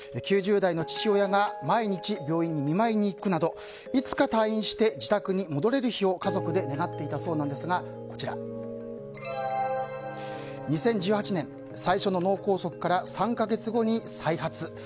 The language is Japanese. ９０代の父親が毎日、病院に見舞いに行くなどいつか退院して自宅に戻れる日を家族で願っていたそうなんですが２０１８年最初の脳梗塞から３か月後に再発。